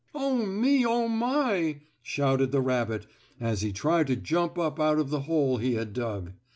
"Oh, me! Oh, my!" shouted the rabbit, as he tried to jump up out of the hole he had dug.